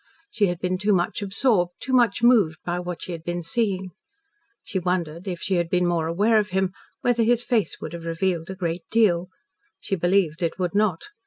She had been too much absorbed, too much moved, by what she had been seeing. She wondered, if she had been more aware of him, whether his face would have revealed a great deal. She believed it would not.